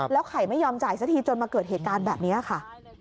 ไข่ไม่ยอมจ่ายสักทีจนมาเกิดเหตุการณ์แบบนี้ค่ะ